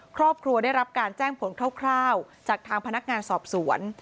ครอบครัวได้รับการแจ้งผลคร่าวจากทางพนักงานสอบสวน